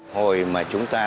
hồi mà chúng ta